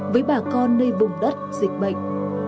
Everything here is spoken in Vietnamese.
với bà con nơi vùng đất dịch bệnh